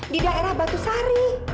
di daerah batu sari